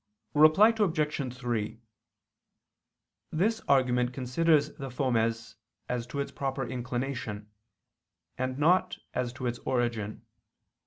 Reply Obj. 3: This argument considers the fomes as to its proper inclination, and not as to its origin.